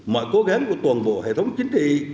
mọi cố gắng của toàn bộ hệ thống chính trị